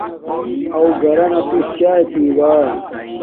اُو گھرانا توس چاݵ پیوس